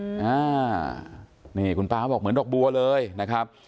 อ่านี่คุณป๊าบอกเหมือนดอกบัวเลยนะครับ